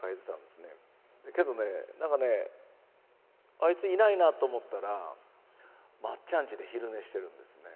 けどねなんかね「あいついないな」と思ったらまっちゃん家で昼寝してるんですね。